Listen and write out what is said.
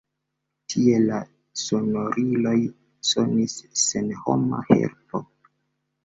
Tie la sonoriloj sonis sen homa helpo.